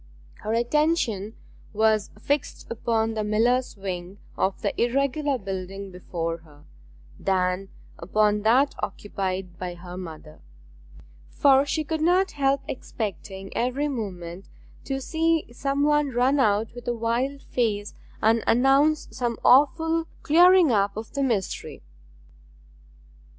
Her attention was fixed more upon the miller's wing of the irregular building before her than upon that occupied by her mother, for she could not help expecting every moment to see some one run out with a wild face and announce some awful clearing up of the mystery.